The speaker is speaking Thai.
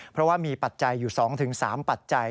เพราะว่ามีปัจจัยอยู่๒๓ปัจจัย